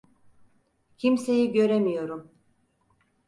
Kimseyi göremiyorum.